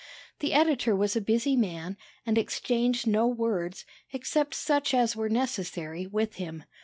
The editor was a busy man, and exchanged no words, except such as were necessary, with him.